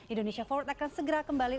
indonesia forward akan segera kembali